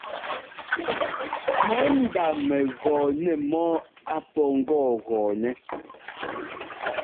Mɔ ndá mɛgɔɔ nɛ mɔ́ɔ á pɔ́ ŋgɔɔgɔɔnɛ́.